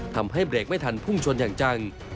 ทำให้เบรกไม่ทันพุ่งชนอย่างจัง